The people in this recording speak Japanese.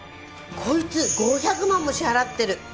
こいつ５００万も支払ってる！